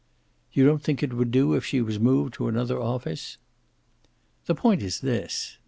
"You don't think it would do if she was moved to another office?" "The point is this."